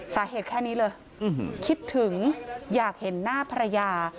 สาเหตุแค่นี้เลยคิดถึงอยากเห็นหน้าภรรยา